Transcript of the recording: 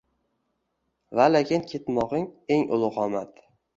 va lekin ketmog’ing – eng ulug’ omad.